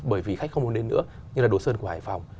bởi vì khách không muốn đến nữa như là đồ sơn của hải phòng